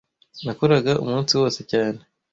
Nakoraga umunsi wose cyane